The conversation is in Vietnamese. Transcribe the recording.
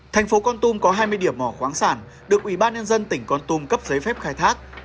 tp hcm có hai mươi điểm mỏ khoáng sản được ủy ban nhân dân tỉnh con tum cấp giấy phép khai thác